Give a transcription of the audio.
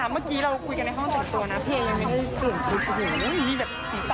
เมื่อกี้เราคุยกันในห้องแต่ตัวนะเพลงมีแบบสีสั่นสะใสมากค่ะ